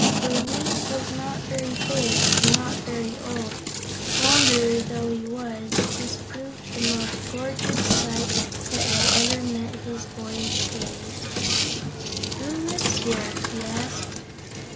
For Woot was not very big and not very old and, wanderer though he was, this proved the most gorgeous sight that had ever met his boyish gaze. "Who lives here?" he asked.